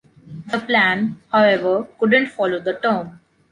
The plan, however, couldn’t follow the term.